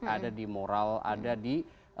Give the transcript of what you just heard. ada di moral ada di